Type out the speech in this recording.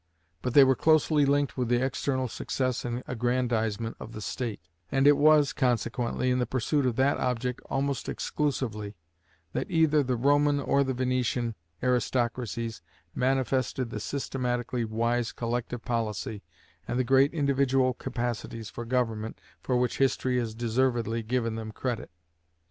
But they were closely linked with the external success and aggrandisement of the state; and it was, consequently, in the pursuit of that object almost exclusively, that either the Roman or the Venetian aristocracies manifested the systematically wise collective policy and the great individual capacities for government for which history has deservedly given them credit.